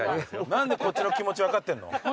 何でこっちの気持ち分かってんの？